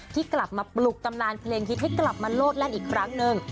ที่กลับมาปลุกตำนานเพลงฮิตให้กลับมาโลดแล่นอีกครั้งหนึ่ง